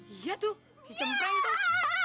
iya tuh si cempreng tuh